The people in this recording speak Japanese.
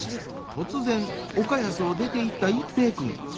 突然岡安を出ていった一平君。